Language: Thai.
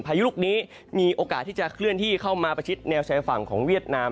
พายุลูกนี้มีโอกาสที่จะเคลื่อนที่เข้ามาประชิดแนวชายฝั่งของเวียดนาม